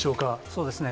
そうですね。